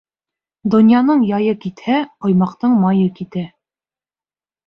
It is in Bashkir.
Донъяның яйы китһә, ҡоймаҡтың майы китә.